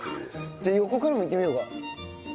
じゃあ横からもいってみようか。